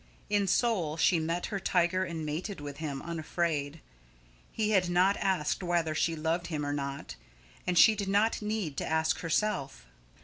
In soul she met her tiger and mated with him, unafraid. He had not asked whether she loved him or not, and she did not need to ask herself.